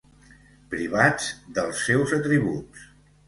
Privats dels seus atributs.